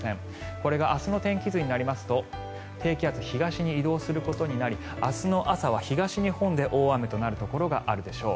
これが明日の天気図になりますと低気圧、東に移動することになり明日の朝は東日本で大雨となるところがあるでしょう。